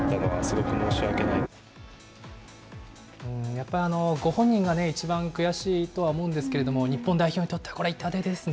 やっぱりご本人がね、一番悔しいとは思うんですけど、日本代表にとっては、これ、痛手ですね。